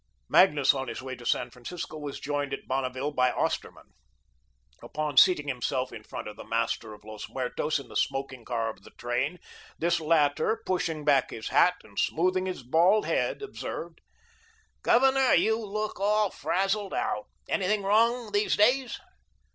Magnus on his way to San Francisco was joined at Bonneville by Osterman. Upon seating himself in front of the master of Los Muertos in the smoking car of the train, this latter, pushing back his hat and smoothing his bald head, observed: "Governor, you look all frazeled out. Anything wrong these days?"